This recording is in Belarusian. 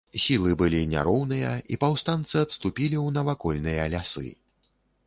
Сілы былі няроўныя, і паўстанцы адступілі ў навакольныя лясы.